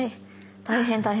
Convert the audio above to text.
大変大変。